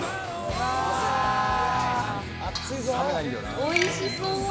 おいしそう！